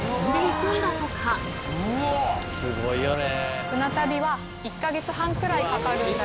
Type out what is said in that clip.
すごいよね。